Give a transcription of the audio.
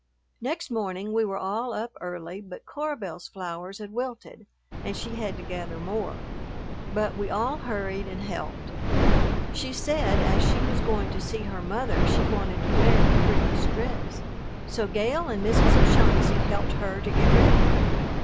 Next morning we were all up early, but Cora Belle's flowers had wilted and she had to gather more, but we all hurried and helped. She said as she was going to see her mother she wanted to wear her prettiest dress, so Gale and Mrs. O'Shaughnessy helped her to get ready.